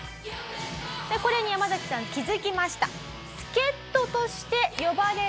これにヤマザキさん気づきました。